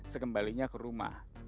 sekembalinya ke rumah